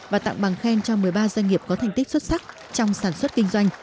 và tặng bằng khen cho một mươi ba doanh nghiệp có thành tích xuất sắc trong sản xuất kinh doanh